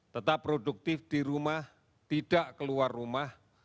tetap produktif di rumah tidak keluar rumah